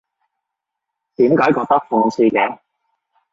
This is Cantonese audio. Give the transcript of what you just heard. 點解覺得諷刺嘅？